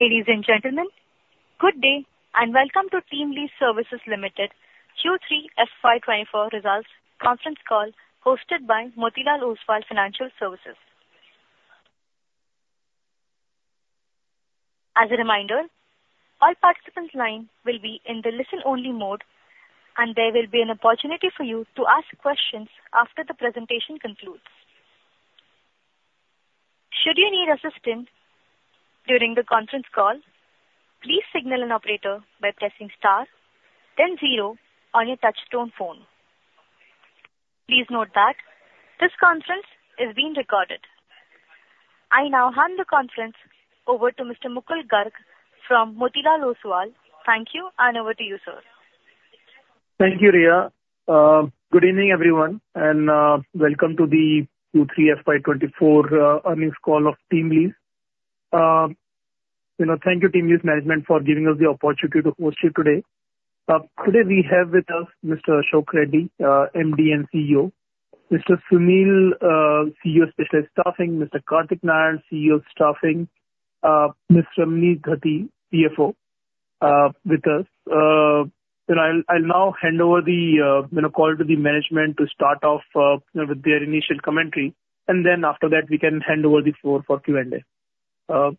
Ladies and gentlemen, good day, and welcome to TeamLease Services Limited Q3 FY 2024 results conference call, hosted by Motilal Oswal Financial Services. As a reminder, all participants' line will be in the listen-only mode, and there will be an opportunity for you to ask questions after the presentation concludes. Should you need assistance during the conference call, please signal an operator by pressing star then zero on your touchtone phone. Please note that this conference is being recorded. I now hand the conference over to Mr. Mukul Garg from Motilal Oswal. Thank you, and over to you, sir. Thank you, Riya. Good evening, everyone, and welcome to the Q3 FY 2024 earnings call of TeamLease. You know, thank you, TeamLease management, for giving us the opportunity to host you today. Today, we have with us Mr. Ashok Reddy, MD and CEO; Mr. Sunil, CEO, Specialized Staffing; Mr. Kartik Narayan, CEO, Staffing; Ms. Ramani Dathi, CFO, with us. Then I'll now hand over the call to the management to start off, you know, with their initial commentary, and then after that, we can hand over the floor for Q&A. Ashok,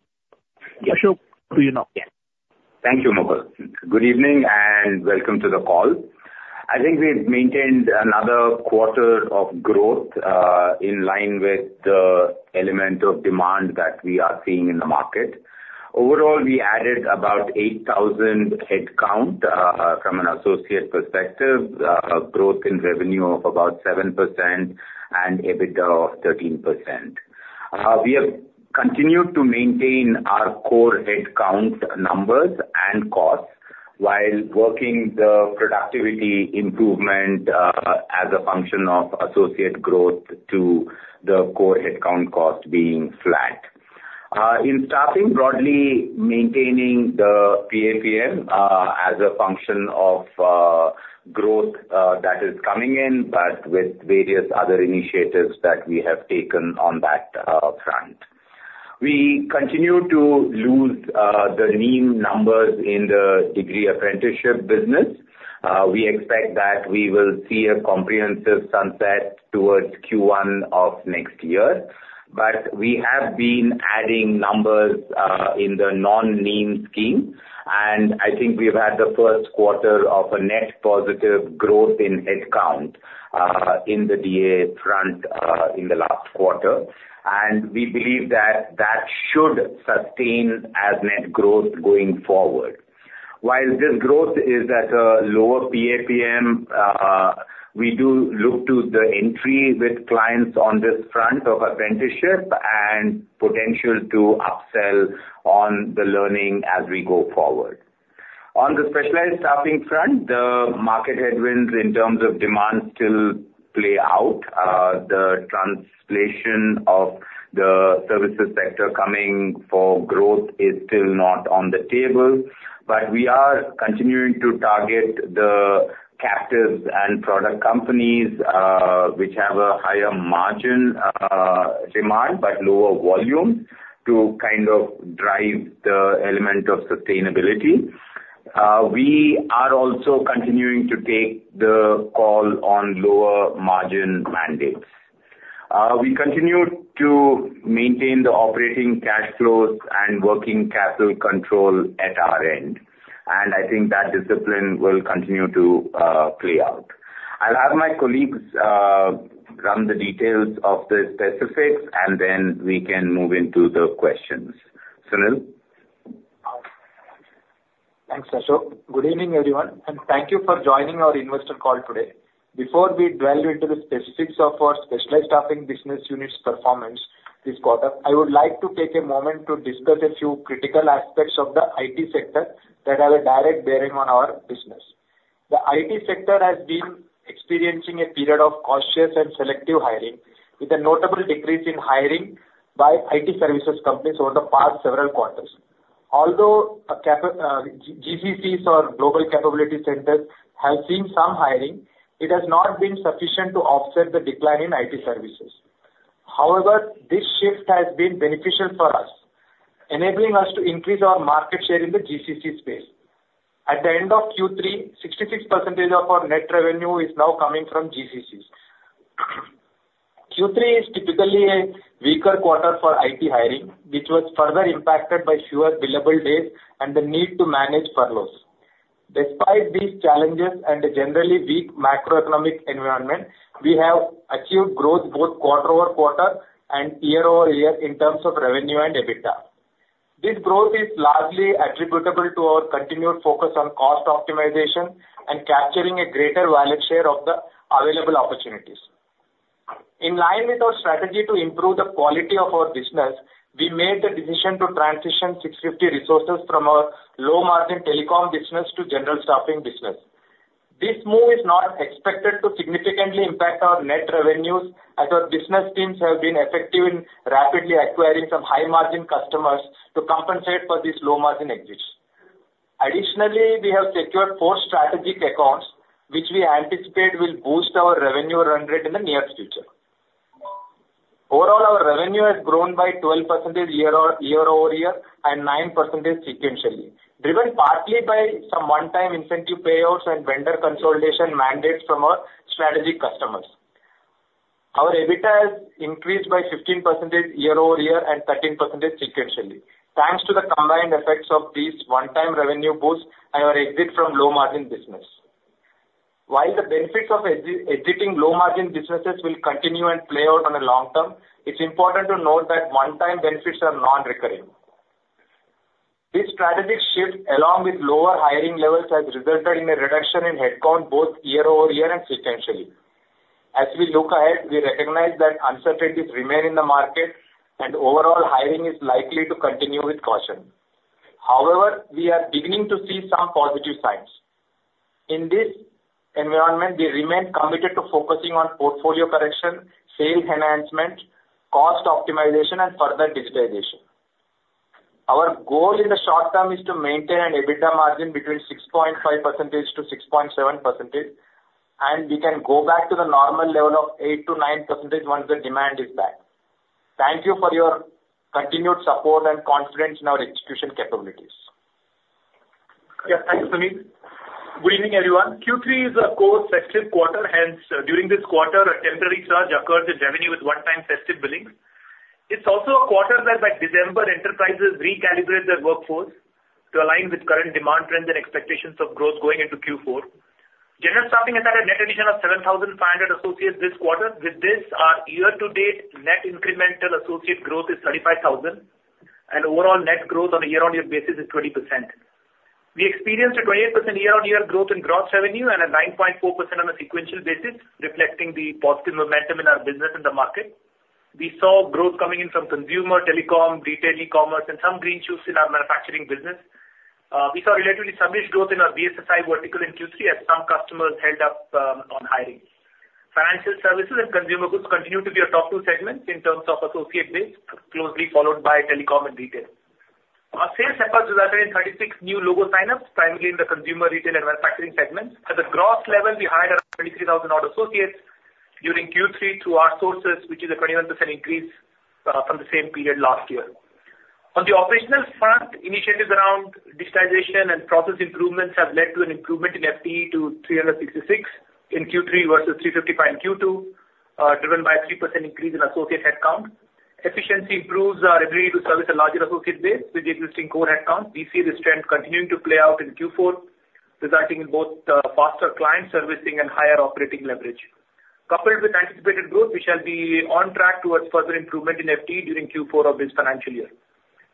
to you now. Thank you, Mukul. Good evening, and welcome to the call. I think we've maintained another quarter of growth in line with the element of demand that we are seeing in the market. Overall, we added about 8,000 headcount from an associate perspective, growth in revenue of about 7% and EBITDA of 13%. We have continued to maintain our core headcount numbers and costs while working the productivity improvement as a function of associate growth to the core headcount cost being flat. In staffing, broadly, maintaining the PAPM as a function of growth that is coming in, but with various other initiatives that we have taken on that front. We continue to lose the NEEM numbers in the degree apprenticeship business. We expect that we will see a comprehensive sunset towards Q1 of next year. But we have been adding numbers in the non-NEEM scheme, and I think we've had the first quarter of a net positive growth in headcount in the DA front in the last quarter. We believe that that should sustain as net growth going forward. While this growth is at a lower PAPM, we do look to the entry with clients on this front of apprenticeship and potential to upsell on the learning as we go forward. On the specialized staffing front, the market headwinds in terms of demand still play out. The translation of the services sector coming for growth is still not on the table, but we are continuing to target the captives and product companies, which have a higher margin demand, but lower volume, to kind of drive the element of sustainability. We are also continuing to take the call on lower margin mandates. We continue to maintain the operating cash flows and working capital control at our end, and I think that discipline will continue to play out. I'll have my colleagues run the details of the specifics, and then we can move into the questions. Sunil? Thanks, Ashok. Good evening, everyone, and thank you for joining our investor call today. Before we delve into the specifics of our specialized staffing business unit's performance this quarter, I would like to take a moment to discuss a few critical aspects of the IT sector that have a direct bearing on our business. The IT sector has been experiencing a period of cautious and selective hiring, with a notable decrease in hiring by IT services companies over the past several quarters. Although GCCs or Global Capability Centers have seen some hiring, it has not been sufficient to offset the decline in IT services. However, this shift has been beneficial for us, enabling us to increase our market share in the GCC space. At the end of Q3, 66% of our net revenue is now coming from GCCs. Q3 is typically a weaker quarter for IT hiring, which was further impacted by fewer billable days and the need to manage furloughs. Despite these challenges and a generally weak macroeconomic environment, we have achieved growth both quarter-over-quarter and year-over-year in terms of revenue and EBITDA. This growth is largely attributable to our continued focus on cost optimization and capturing a greater wallet share of the available opportunities. In line with our strategy to improve the quality of our business, we made the decision to transition 650 resources from our low-margin telecom business to general staffing business. This move is not expected to significantly impact our net revenues, as our business teams have been effective in rapidly acquiring some high-margin customers to compensate for this low margin exit. Additionally, we have secured four strategic accounts, which we anticipate will boost our revenue run rate in the nearest future. Overall, our revenue has grown by 12% year-over-year and 9% sequentially, driven partly by some one-time incentive payouts and vendor consolidation mandates from our strategic customers. Our EBITDA has increased by 15% year-over-year and 13% sequentially, thanks to the combined effects of these one-time revenue boosts and our exit from low-margin business. While the benefits of exiting low-margin businesses will continue and play out on the long term, it's important to note that one-time benefits are non-recurring. This strategic shift, along with lower hiring levels, has resulted in a reduction in headcount both year-over-year and sequentially. As we look ahead, we recognize that uncertainties remain in the market, and overall hiring is likely to continue with caution. However, we are beginning to see some positive signs. In this environment, we remain committed to focusing on portfolio correction, sales enhancement, cost optimization, and further digitization. Our goal in the short term is to maintain an EBITDA margin between 6.5%-6.7%, and we can go back to the normal level of 8%-9% once the demand is back. Thank you for your continued support and confidence in our execution capabilities. Yeah, thanks, Sunil. Good evening, everyone. Q3 is a core festive quarter, hence, during this quarter, a temporary surge occurred in revenue with one-time festive billings. It's also a quarter that by December, enterprises recalibrate their workforce to align with current demand trends and expectations of growth going into Q4. General staffing had had a net addition of 7,500 associates this quarter. With this, our year-to-date net incremental associate growth is 35,000, and overall net growth on a year-on-year basis is 20%. We experienced a 28% year-on-year growth in gross revenue and a 9.4% on a sequential basis, reflecting the positive momentum in our business in the market. We saw growth coming in from consumer, telecom, retail, e-commerce, and some green shoots in our manufacturing business. We saw relatively subdued growth in our BFSI vertical in Q3 as some customers held up on hiring. Financial services and consumer goods continue to be our top two segments in terms of associate base, closely followed by telecom and retail. Our sales efforts resulted in 36 new logo signups, primarily in the consumer, retail, and manufacturing segments. At the gross level, we hired around 23,000 odd associates during Q3 through our sources, which is a 21% increase from the same period last year. On the operational front, initiatives around digitization and process improvements have led to an improvement in FTE to 366 in Q3 versus 355 in Q2, driven by a 3% increase in associate headcount. Efficiency improves our ability to service a larger associate base with the existing core headcount. We see this trend continuing to play out in Q4, resulting in both faster client servicing and higher operating leverage. Coupled with anticipated growth, we shall be on track towards further improvement in FTE during Q4 of this financial year.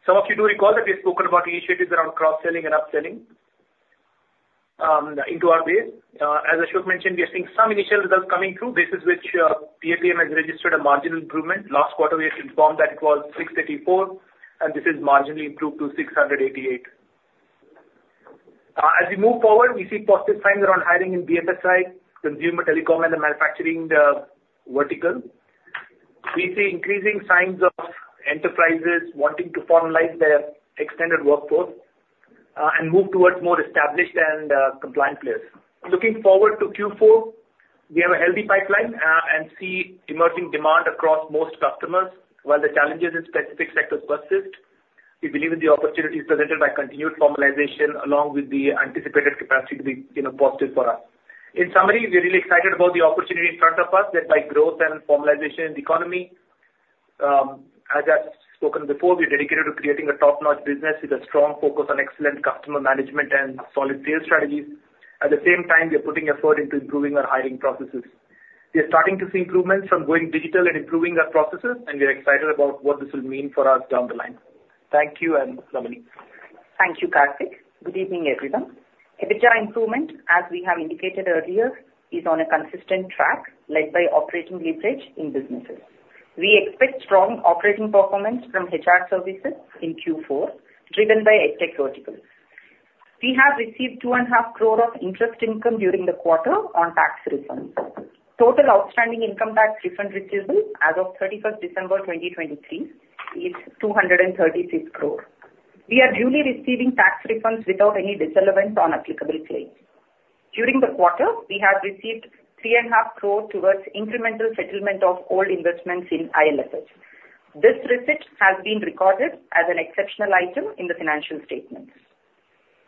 Some of you do recall that we've spoken about initiatives around cross-selling and upselling into our base. As Ashok mentioned, we are seeing some initial results coming through. This is which PAPM has registered a marginal improvement. Last quarter, we informed that it was 634, and this is marginally improved to 688. As we move forward, we see positive signs around hiring in BFSI, consumer telecom, and the manufacturing vertical. We see increasing signs of enterprises wanting to formalize their extended workforce and move towards more established and compliant players. Looking forward to Q4, we have a healthy pipeline, and see emerging demand across most customers, while the challenges in specific sectors persist. We believe in the opportunities presented by continued formalization, along with the anticipated capacity to be, you know, positive for us. In summary, we are really excited about the opportunity in front of us, led by growth and formalization in the economy. As I've spoken before, we're dedicated to creating a top-notch business with a strong focus on excellent customer management and solid sales strategies. At the same time, we are putting effort into improving our hiring processes. We are starting to see improvements from going digital and improving our processes, and we are excited about what this will mean for us down the line. Thank you, and Ramani? Thank you, Kartik. Good evening, everyone. EBITDA improvement, as we have indicated earlier, is on a consistent track led by operating leverage in businesses. We expect strong operating performance from HR services in Q4, driven by EdTech verticals. We have received 2.5 crore of interest income during the quarter on tax refunds. Total outstanding income tax refund receivable as of 31st December 2023 is 236 crore. We are duly receiving tax refunds without any disallowance on applicable claims. During the quarter, we have received 3.5 crore towards incremental settlement of old investments in IL&FS. This receipt has been recorded as an exceptional item in the financial statements.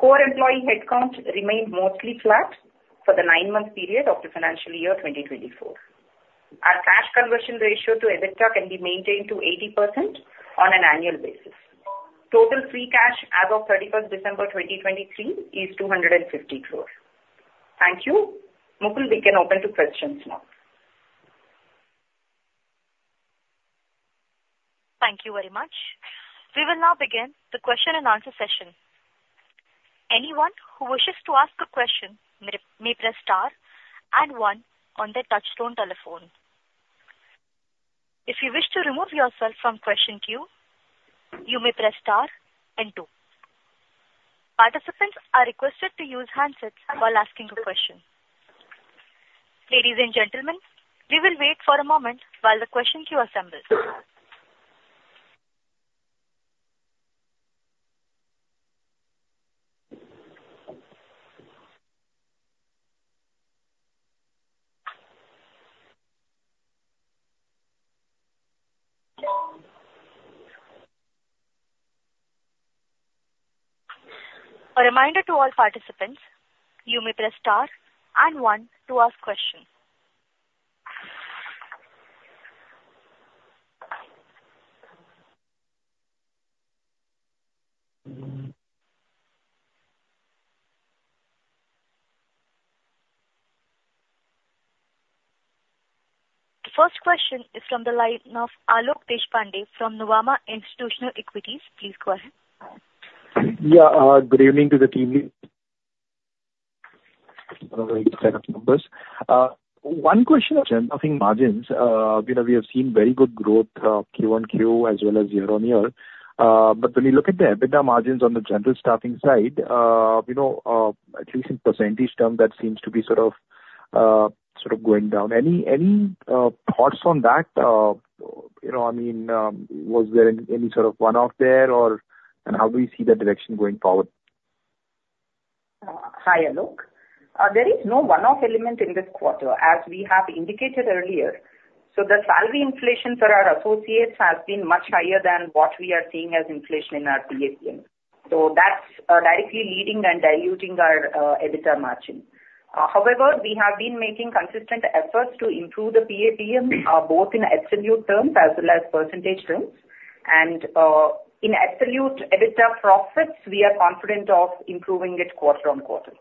Core employee headcount remained mostly flat for the nine-month period of the financial year 2024. Our cash conversion ratio to EBITDA can be maintained to 80% on an annual basis. Total free cash as of 31st December 2023 is 250 crore. Thank you. Mukul, we can open to questions now. Thank you very much. We will now begin the question and answer session. Anyone who wishes to ask a question may, may press star and one on their touchtone telephone. If you wish to remove yourself from question queue, you may press star and two. Participants are requested to use handsets while asking a question. Ladies and gentlemen, we will wait for a moment while the question queue assembles. A reminder to all participants, you may press star and one to ask questions. The first question is from the line of Alok Deshpande from Nuvama Institutional Equities. Please go ahead. Yeah, good evening to the team. One question on staffing margins. You know, we have seen very good growth, Q1, Q2 as well as year-on-year. But when you look at the EBITDA margins on the general staffing side, you know, at least in percentage terms, that seems to be sort of, sort of going down. Any thoughts on that? You know, I mean, was there any sort of one-off there, or... And how do you see the direction going forward? Hi, Alok. There is no one-off element in this quarter, as we have indicated earlier. So the salary inflation for our associates has been much higher than what we are seeing as inflation in our PAPM. So that's directly leading and diluting our EBITDA margin. However, we have been making consistent efforts to improve the PAPM, both in absolute terms as well as percentage terms. And in absolute EBITDA profits, we are confident of improving it quarter on quarter.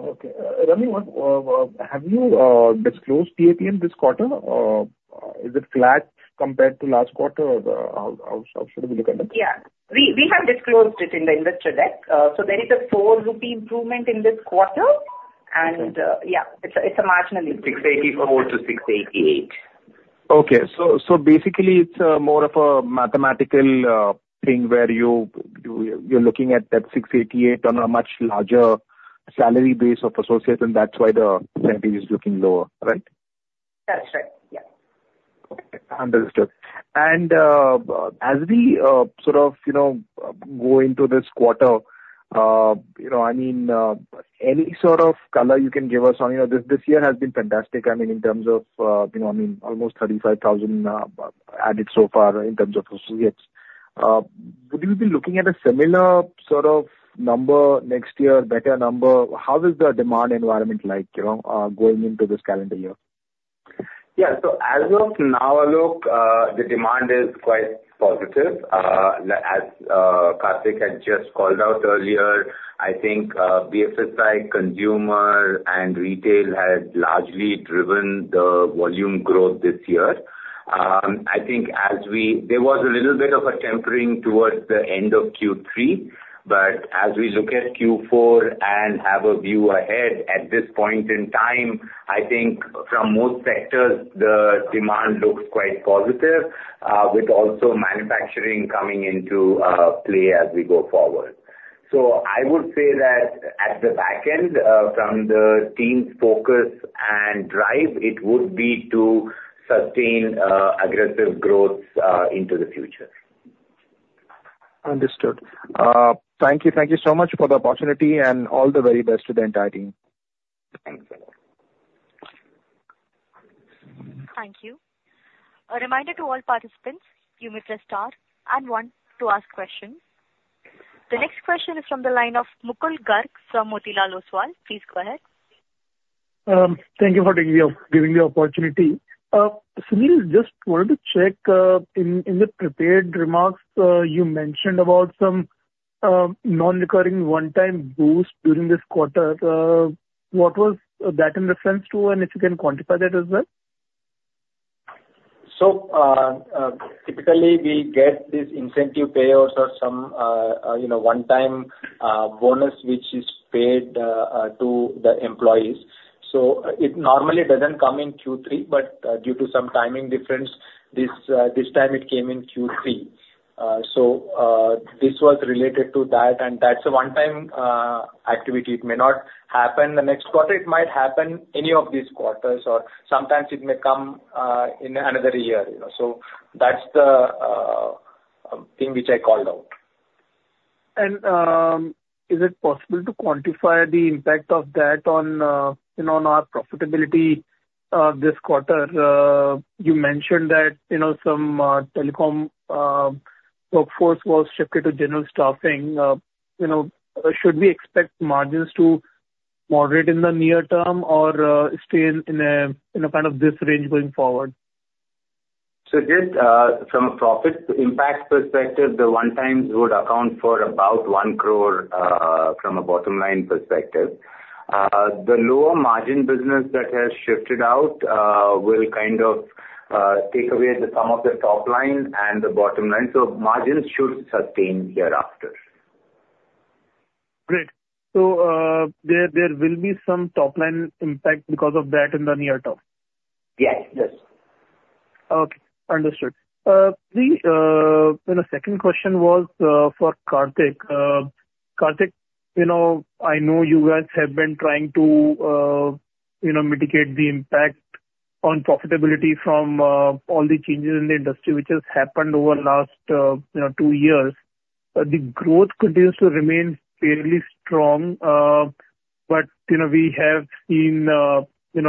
Okay. Ramani, one, have you disclosed PAPM this quarter? Is it flat compared to last quarter, or how should we look at it? Yeah. We, we have disclosed it in the investor deck. So there is an 4 rupee improvement in this quarter, and Okay. Yeah, it's a, it's a marginal improvement. 684-688. Okay. So basically, it's more of a mathematical thing, where you're looking at that 688 on a much larger salary base of associates, and that's why the percentage is looking lower, right? That's right. Yeah. Okay, understood. As we sort of, you know, go into this quarter, you know, I mean, any sort of color you can give us on... You know, this year has been fantastic, I mean, in terms of, you know, I mean, almost 35,000 added so far in terms of associates. Would we be looking at a similar sort of number next year? Better number? How is the demand environment like, you know, going into this calendar year? Yeah. So as of now, Alok, the demand is quite positive. Like as, Kartik had just called out earlier, I think, BFSI, consumer and retail has largely driven the volume growth this year. I think there was a little bit of a tempering towards the end of Q3, but as we look at Q4 and have a view ahead, at this point in time, I think from most sectors, the demand looks quite positive, with also manufacturing coming into play as we go forward. So I would say that at the back end, from the team's focus and drive, it would be to sustain aggressive growth into the future. Understood. Thank you. Thank you so much for the opportunity, and all the very best to the entire team. Thanks, Alok. Thank you. A reminder to all participants, you may press star and one to ask questions. The next question is from the line of Mukul Garg from Motilal Oswal. Please go ahead. Thank you for giving me the opportunity. Sunil, just wanted to check, in the prepared remarks, you mentioned about some non-recurring one-time boost during this quarter. What was that in reference to, and if you can quantify that as well? So, typically, we get these incentive payouts or some, you know, one-time bonus, which is paid to the employees. So it normally doesn't come in Q3, but due to some timing difference, this time, it came in Q3. So, this was related to that, and that's a one-time activity. It may not happen the next quarter. It might happen any of these quarters, or sometimes it may come in another year, you know. So that's the thing which I called out. Is it possible to quantify the impact of that on, you know, on our profitability this quarter? You mentioned that, you know, some telecom workforce was shifted to general staffing. You know, should we expect margins to moderate in the near term or stay in a kind of this range going forward? So just, from a profit impact perspective, the one-time would account for about 1 crore, from a bottom-line perspective. The lower margin business that has shifted out, will kind of, take away the some of the top line and the bottom line, so margins should sustain hereafter. Great. So, there will be some top-line impact because of that in the near term? Yes, yes. Okay, understood. The second question was for Kartik. Kartik, you know, I know you guys have been trying to mitigate the impact on profitability from all the changes in the industry, which has happened over the last two years. But the growth continues to remain fairly strong, but you know, we have seen a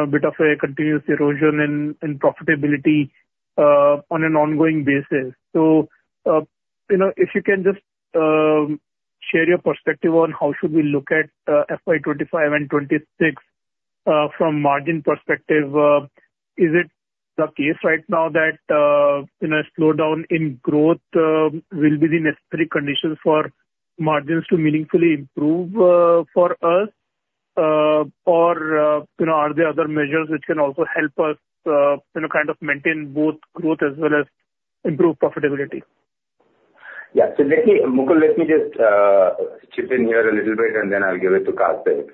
bit of a continuous erosion in profitability on an ongoing basis. So you know, if you can just share your perspective on how should we look at FY 2025 and FY 2026 from margin perspective. Is it the case right now that you know, a slowdown in growth will be the necessary conditions for margins to meaningfully improve for us? Or, you know, are there other measures which can also help us, you know, kind of maintain both growth as well as improve profitability? Yeah. So let me, Mukul, let me just, chip in here a little bit, and then I'll give it to Kartik.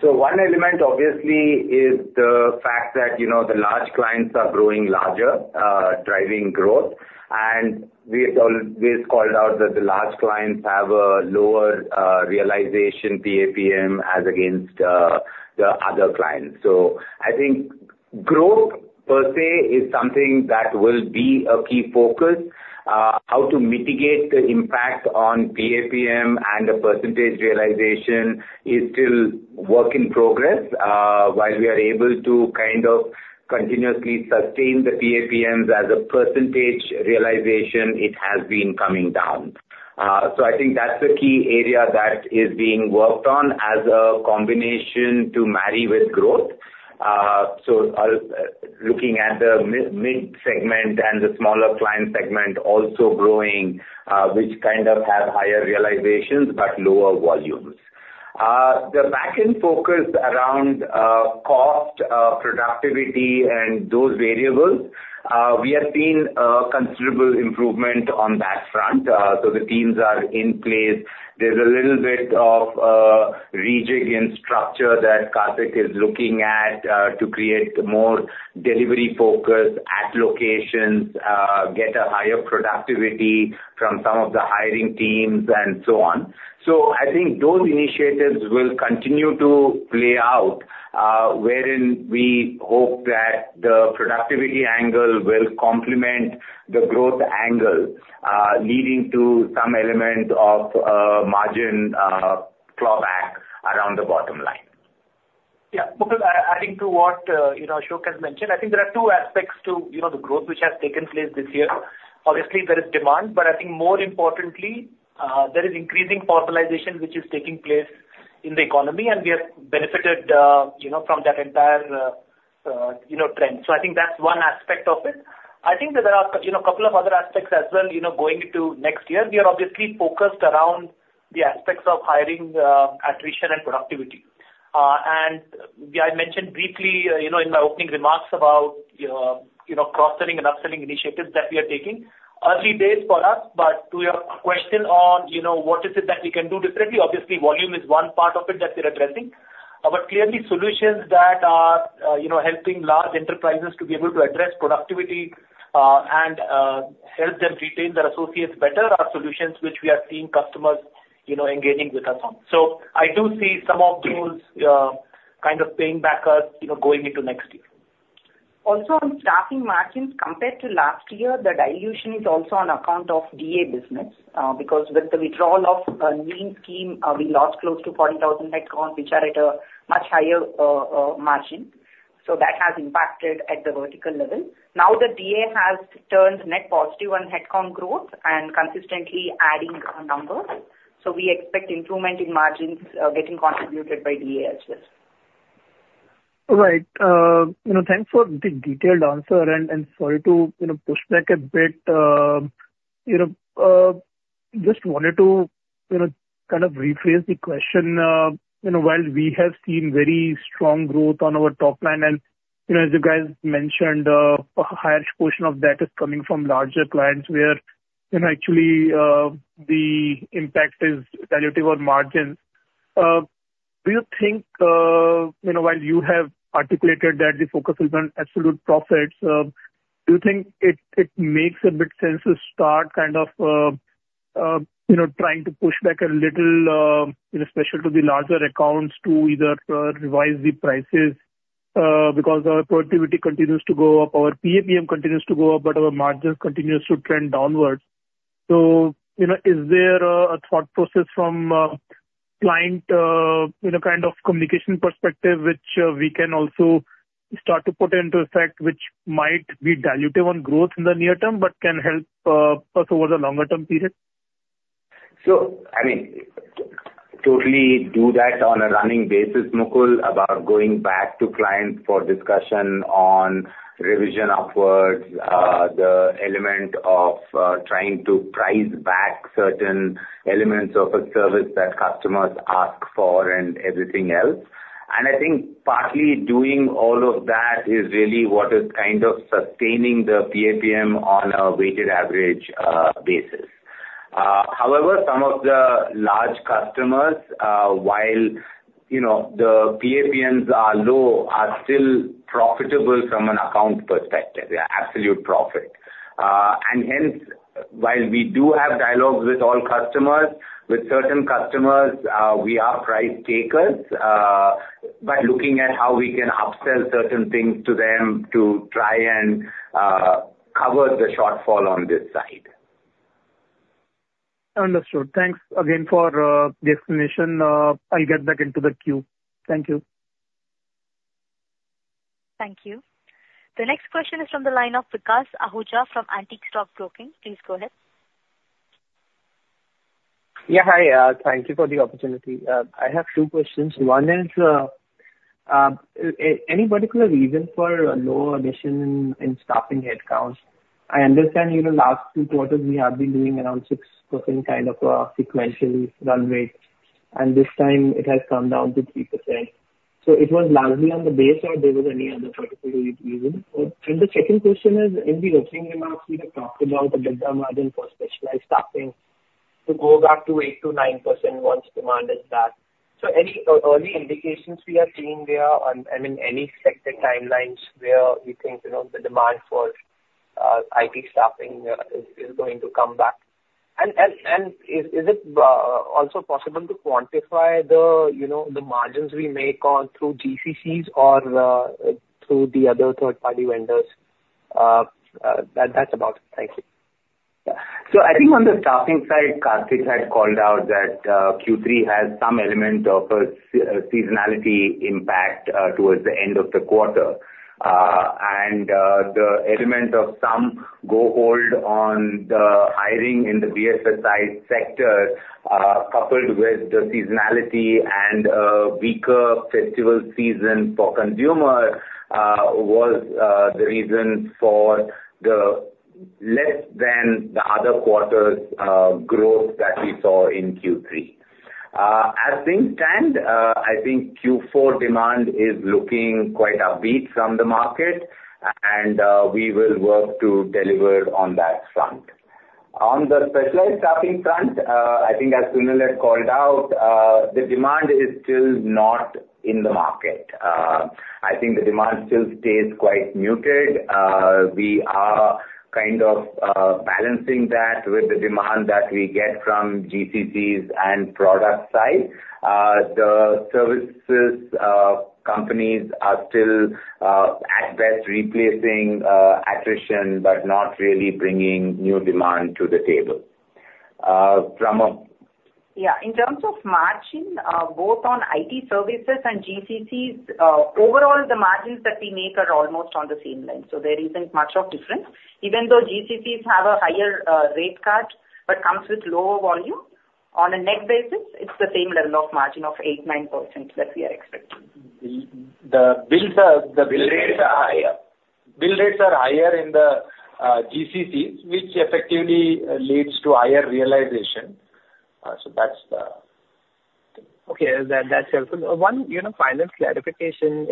So one element, obviously, is the fact that, you know, the large clients are growing larger, driving growth. And we have all- we've called out that the large clients have a lower, realization PAPM as against, the other clients. So I think growth per se is something that will be a key focus. How to mitigate the impact on PAPM and the percentage realization is still work in progress. While we are able to kind of continuously sustain the PAPMs as a percentage realization, it has been coming down. So I think that's a key area that is being worked on as a combination to marry with growth. So looking at the mid, mid segment and the smaller client segment also growing, which kind of have higher realizations but lower volumes. The back-end focus around cost, productivity and those variables, we have seen a considerable improvement on that front. So the teams are in place. There's a little bit of rejig in structure that Kartik is looking at, to create more delivery focus at locations, get a higher productivity from some of the hiring teams and so on. So I think those initiatives will continue to play out, wherein we hope that the productivity angle will complement the growth angle, leading to some element of margin clawback around the bottom line. Yeah. Mukul, adding to what, you know, Ashok has mentioned, I think there are two aspects to, you know, the growth which has taken place this year. Obviously, there is demand, but I think more importantly, there is increasing formalization, which is taking place in the economy, and we have benefited, you know, from that entire, you know, trend. So I think that's one aspect of it. I think that there are, you know, a couple of other aspects as well, you know, going into next year. We are obviously focused around the aspects of hiring, attrition and productivity. And I mentioned briefly, you know, in my opening remarks about, you know, cross-selling and upselling initiatives that we are taking. Early days for us, but to your question on, you know, what is it that we can do differently? Obviously, volume is one part of it that we're addressing. But clearly, solutions that are, you know, helping large enterprises to be able to address productivity, and help them retain their associates better, are solutions which we are seeing customers, you know, engaging with us on. So I do see some of those, kind of paying back as, you know, going into next year. Also, on staffing margins, compared to last year, the dilution is also on account of DA business, because with the withdrawal of NEEM scheme, we lost close to 40,000 headcount, which are at a much higher margin. So that has impacted at the vertical level. Now, the DA has turned net positive on headcount growth and consistently adding on numbers. So we expect improvement in margins, getting contributed by DA as well. All right. You know, thanks for the detailed answer, and sorry to, you know, push back a bit. You know, just wanted to, you know, kind of rephrase the question. You know, while we have seen very strong growth on our top line, and, you know, as you guys mentioned, a higher portion of that is coming from larger clients where, you know, actually, the impact is dilutive on margins. Do you think, you know, while you have articulated that the focus will be on absolute profits, do you think it makes a bit sense to start kind of, you know, trying to push back a little, you know, especially to the larger accounts, to either revise the prices? Because our productivity continues to go up, our PAPM continues to go up, but our margins continues to trend downwards. So, you know, is there a thought process from a client, you know, kind of communication perspective, which we can also start to put into effect, which might be dilutive on growth in the near term, but can help us over the longer term period? So I mean, totally do that on a running basis, Mukul, about going back to clients for discussion on revision upwards, the element of trying to price back certain elements of a service that customers ask for and everything else. And I think partly doing all of that is really what is kind of sustaining the PAPM on a weighted average basis. However, some of the large customers, while you know the PAPMs are low, are still profitable from an account perspective, the absolute profit. And hence while we do have dialogues with all customers, with certain customers we are price takers, but looking at how we can upsell certain things to them to try and cover the shortfall on this side. Understood. Thanks again for the explanation. I'll get back into the queue. Thank you. Thank you. The next question is from the line of Vikas Ahuja from Antique Stock Broking. Please go ahead. Yeah, hi. Thank you for the opportunity. I have two questions. One is, any particular reason for low addition in staffing headcount? I understand in the last two quarters we have been doing around 6% kind of sequentially run rate, and this time it has come down to 3%. So it was largely on the base, or there was any other particular reason? And the second question is, in the opening remarks, you had talked about the EBITDA margin for specialized staffing to go back to 8%-9% once demand is back. So any early indications we are seeing there on, I mean, any sector timelines where you think, you know, the demand for IT staffing is going to come back? Is it also possible to quantify the, you know, the margins we make on through GCCs or through the other third-party vendors? That's about it. Thank you. So I think on the staffing side, Kartik had called out that Q3 has some element of seasonality impact towards the end of the quarter. The element of some slowdown on the hiring in the BFSI sector, coupled with the seasonality and weaker festival season for consumer, was the reason for the less than the other quarters growth that we saw in Q3. As things stand, I think Q4 demand is looking quite upbeat from the market, and we will work to deliver on that front. On the specialized staffing front, I think as Sunil has called out, the demand is still not in the market. I think the demand still stays quite muted. We are kind of balancing that with the demand that we get from GCCs and product side. The services companies are still at best replacing attrition, but not really bringing new demand to the table. Pramam? Yeah. In terms of margin, both on IT services and GCCs, overall, the margins that we make are almost on the same line, so there isn't much of difference. Even though GCCs have a higher rate card, but comes with lower volume, on a net basis, it's the same level of margin of 8%-9% that we are expecting. The bill rates are higher. Bill rates are higher in the GCCs, which effectively leads to higher realization. So that's the- Okay. That's helpful. One, you know, final clarification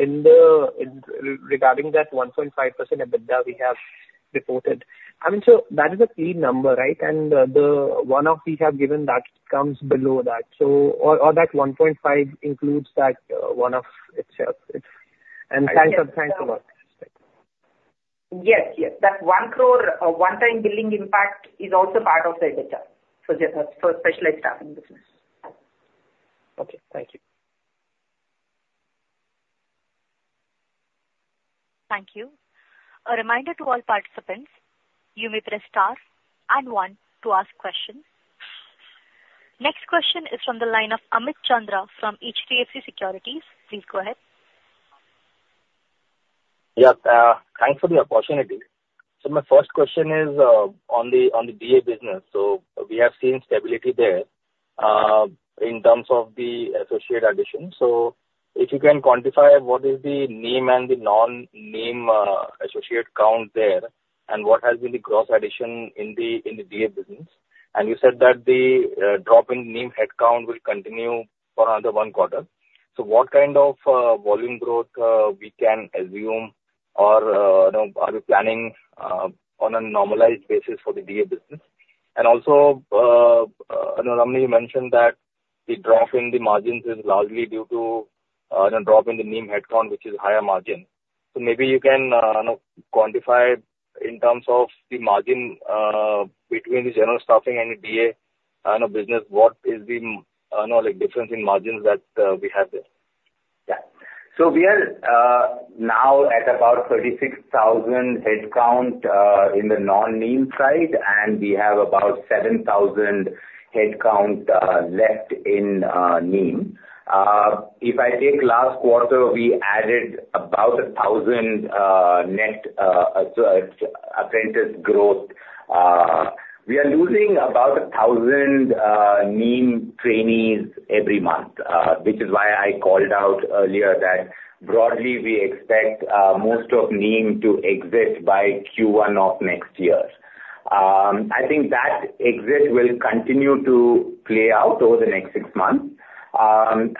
regarding that 1.5% EBITDA we have reported. I mean, so that is a clean number, right? And the one-off we have given that comes below that. So, or that 1.5% includes that one-off itself. It's... And thanks a lot. Yes, yes. That 1 crore one-time billing impact is also part of the EBITDA for the specialized staffing business. Okay, thank you. Thank you. A reminder to all participants, you may press star and one to ask questions. Next question is from the line of Amit Chandra from HDFC Securities. Please go ahead. Yeah, thanks for the opportunity. So my first question is on the DA business. So we have seen stability there in terms of the associate addition. So if you can quantify what is the NEEM and the non-NEEM associate count there, and what has been the gross addition in the DA business? And you said that the drop in NEEM headcount will continue for another one quarter. So what kind of volume growth we can assume or, you know, are we planning on a normalized basis for the DA business? And also, I know Ramani mentioned that the drop in the margins is largely due to the drop in the NEEM headcount, which is higher margin. So maybe you can, you know, quantify in terms of the margin between the general staffing and the DA, you know, business, what is the, you know, like, difference in margins that we have there? Yeah. So we are now at about 36,000 headcount in the non-NEEM side, and we have about 7,000 headcount left in NEEM. If I take last quarter, we added about 1,000 net apprentice growth. We are losing about 1,000 NEEM trainees every month, which is why I called out earlier that broadly we expect most of NEEM to exit by Q1 of next year. I think that exit will continue to play out over the next six months. And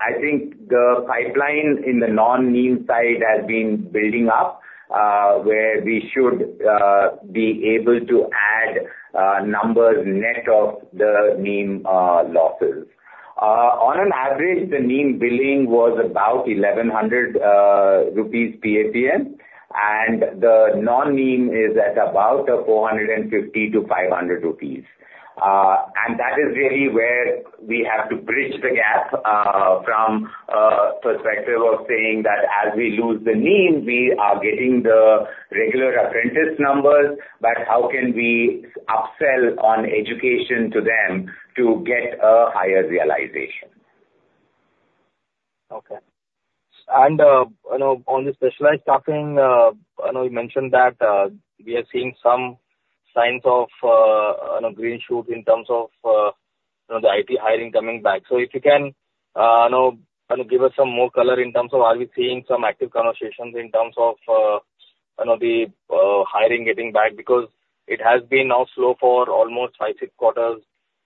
I think the pipeline in the non-NEEM side has been building up, where we should be able to add numbers net of the NEEM losses. On average, the NEEM billing was about 1,100 rupees per PAPM, and the non-NEEM is at about 450 -500 rupees. And that is really where we have to bridge the gap, from perspective of saying that as we lose the NEEM, we are getting the regular apprentice numbers, but how can we upsell on education to them to get a higher realization? Okay. And, you know, on the specialized staffing, I know you mentioned that, we are seeing some signs of, on a green shoot in terms of, you know, the IT hiring coming back. So if you can, you know, kind of give us some more color in terms of are we seeing some active conversations in terms of, you know, the, hiring getting back? Because it has been now slow for almost five, six quarters.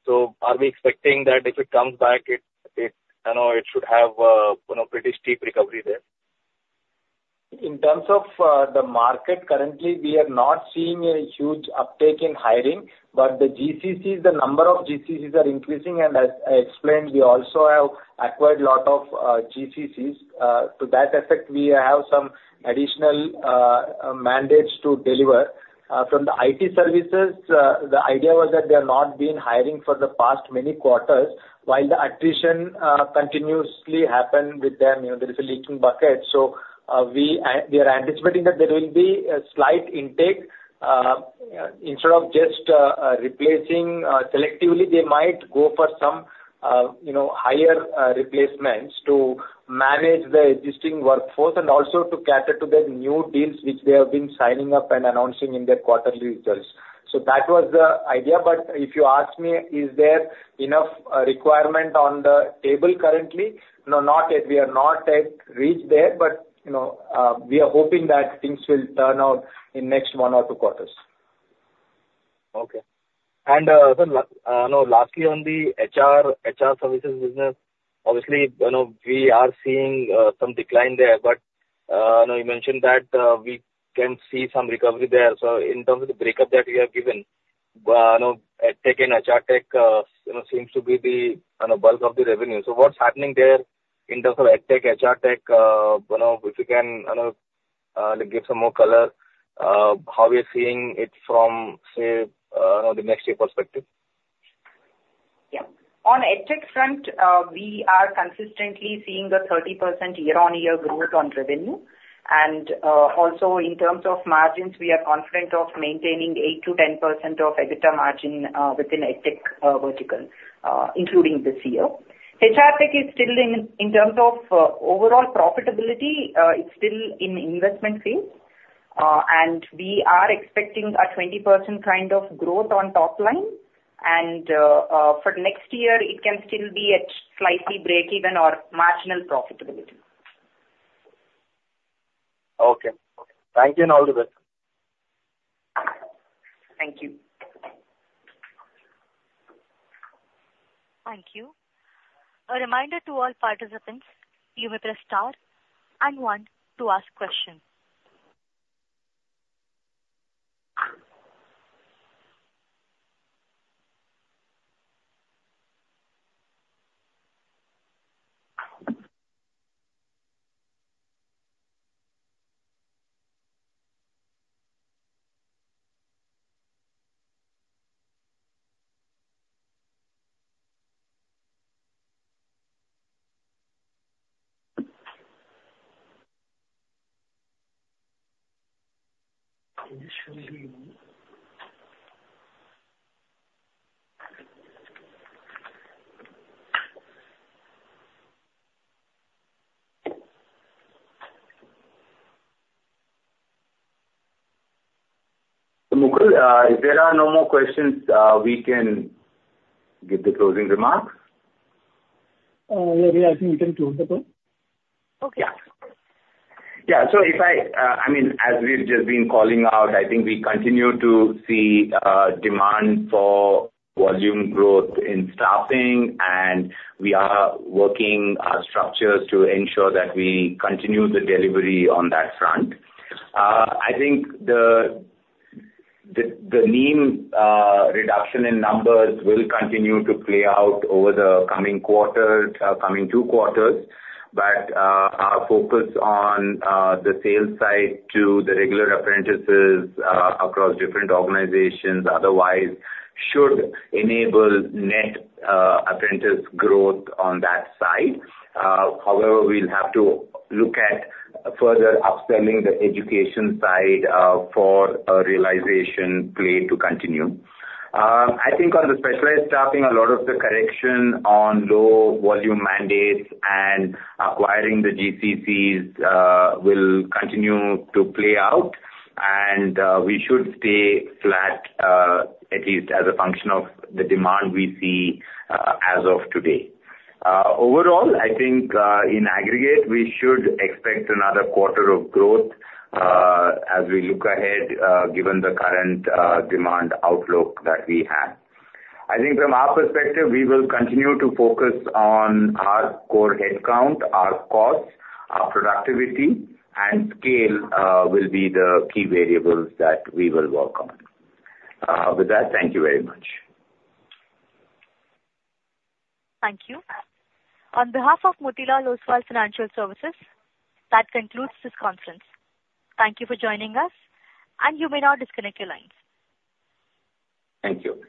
So are we expecting that if it comes back, it, you know, it should have, you know, pretty steep recovery there? In terms of the market, currently, we are not seeing a huge uptake in hiring, but the GCC, the number of GCCs are increasing, and as I explained, we also have acquired a lot of GCCs. To that effect, we have some additional mandates to deliver. From the IT services, the idea was that they have not been hiring for the past many quarters, while the attrition continuously happened with them. You know, there is a leaking bucket. So, we are anticipating that there will be a slight intake, instead of just replacing selectively, they might go for some you know, higher replacements to manage the existing workforce and also to cater to the new deals which they have been signing up and announcing in their quarterly results. So that was the idea. But if you ask me, is there enough requirement on the table currently? No, not yet. We are not yet reached there, but, you know, we are hoping that things will turn out in next one or two quarters. Okay. So now, lastly, on the HR, HR services business, obviously, you know, we are seeing some decline there, but, you know, you mentioned that we can see some recovery there. So in terms of the breakup that we have given, you know, EdTech and HR Tech, you know, seems to be the bulk of the revenue. So what's happening there in terms of EdTech, HR Tech, you know, if you can give some more color, how we are seeing it from, say, the next year perspective? Yeah. On EdTech front, we are consistently seeing a 30% year-on-year growth on revenue. And, also in terms of margins, we are confident of maintaining 8%-10% of EBITDA margin within EdTech vertical, including this year. HR Tech is still in terms of overall profitability, it's still in investment phase. And we are expecting a 20% kind of growth on top line, and, for next year, it can still be at slightly breakeven or marginal profitability. Okay. Thank you, and all the best. Thank you. Thank you. A reminder to all participants, you may press star and one to ask questions. Mukul, if there are no more questions, we can give the closing remarks. Yeah, yeah, I think we can close the call. Okay. Yeah. Yeah, so if I... I mean, as we've just been calling out, I think we continue to see demand for volume growth in staffing, and we are working our structures to ensure that we continue the delivery on that front. I think the NEEM reduction in numbers will continue to play out over the coming quarters, coming two quarters. But our focus on the sales side to the regular apprentices across different organizations otherwise should enable net apprentice growth on that side. However, we'll have to look at further upselling the education side for a realization play to continue. I think on the specialized staffing, a lot of the correction on low volume mandates and acquiring the GCCs, will continue to play out, and, we should stay flat, at least as a function of the demand we see, as of today. Overall, I think, in aggregate, we should expect another quarter of growth, as we look ahead, given the current, demand outlook that we have. I think from our perspective, we will continue to focus on our core headcount, our costs, our productivity, and scale, will be the key variables that we will work on. With that, thank you very much. Thank you. On behalf of Motilal Oswal Financial Services, that concludes this conference. Thank you for joining us, and you may now disconnect your lines. Thank you.